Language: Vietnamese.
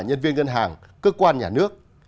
nhân viên ngân hàng cơ quan nhà nước